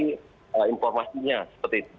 memperbaiki informasinya seperti itu